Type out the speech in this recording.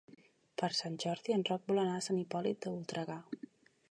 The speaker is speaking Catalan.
Per Sant Jordi en Roc vol anar a Sant Hipòlit de Voltregà.